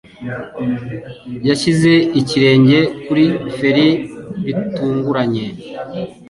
Yashyize ikirenge kuri feri bitunguranye.